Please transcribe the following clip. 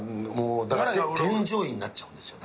添乗員になっちゃうんですよ。